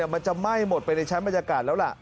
มันจะไหม้หมดไปในชั้นบรรยากาศแล้วล่ะ